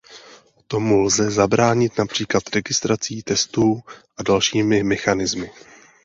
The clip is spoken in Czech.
Tomu lze zabránit například registrací testů a dalšími mechanismy.